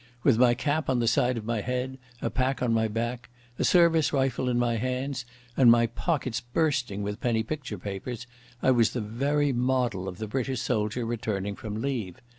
With my cap on the side of my head, a pack on my back, a service rifle in my hands, and my pockets bursting with penny picture papers, I was the very model of the British soldier returning from leave.